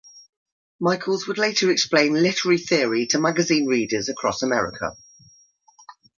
Michaels would later explain literary theory to magazine readers across America.